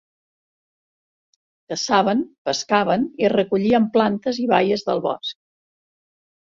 Caçaven, pescaven i recollien plantes i baies del bosc.